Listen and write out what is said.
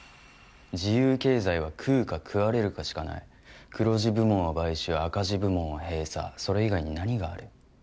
自由経済は食うか食われるかしかない黒字部門は買収赤字部門は閉鎖それ以外に何がある？